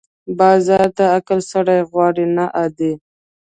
بازار د عقل سړی غواړي، نه عادي.